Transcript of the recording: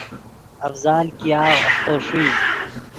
افضال ګیاغ اختو ݰوئی